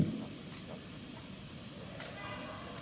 dalam satu hari yang terbesar di dunia